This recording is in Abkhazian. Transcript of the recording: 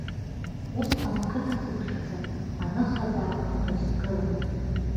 Усҟан қыҭацыԥхьаӡа аныхабаақәа рызгылан.